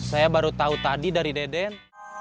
saya baru tahu tadi dari deden